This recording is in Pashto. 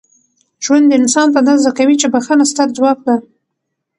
ژوند انسان ته دا زده کوي چي بخښنه ستره ځواک ده.